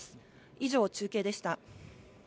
以上、中継でした。